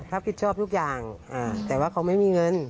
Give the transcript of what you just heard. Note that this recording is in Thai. รับผิดชอบทุกอย่างแต่ว่าเขาไม่มีเงิน